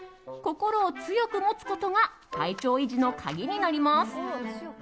心を強く持つことが体調維持の鍵になります。